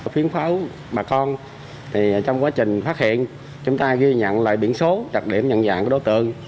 phiến pháo bà con trong quá trình phát hiện chúng ta ghi nhận lại biển số đặc điểm nhận dạng của đối tượng